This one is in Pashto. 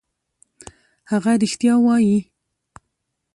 هغه رښتیا وايي.